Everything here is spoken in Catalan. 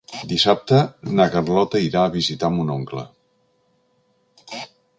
Dissabte na Carlota irà a visitar mon oncle.